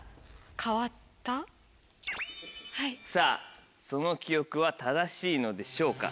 さぁその記憶は正しいのでしょうか？